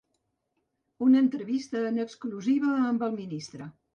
Una entrevista en exclusiva amb el ministre.